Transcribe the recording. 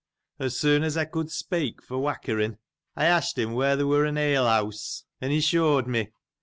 As soon as I could speak for trembling, I asked him where there was an ale house, and he shewed me.